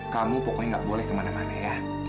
kamu pokoknya gak boleh kemana mana ya